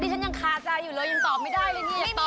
ที่ฉันยังคาจาอยู่แล้วยินตอบไม่ได้เลย